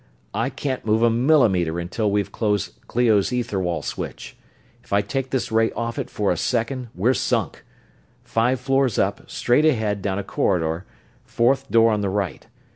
"I can't move a millimeter until you've closed Clio's ether wall switch. If I take this ray off it for a second we're sunk. Five floors up, straight ahead down a corridor fourth door on right.